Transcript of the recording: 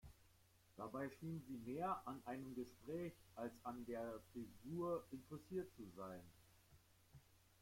Dabei schien sie mehr an einem Gespräch als an der Frisur interessiert zu sein.